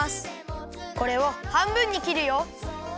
これをはんぶんにきるよ。